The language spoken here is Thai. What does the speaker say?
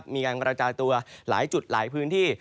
มีการกระจายตัวหลายจุดหลายพื้นที่